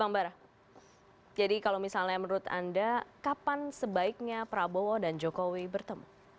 bang bara jadi kalau misalnya menurut anda kapan sebaiknya prabowo dan jokowi bertemu